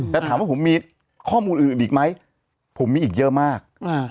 แต่ถามว่าผมมีข้อมูลอื่นอีกไหมผมมีอีกเยอะมาก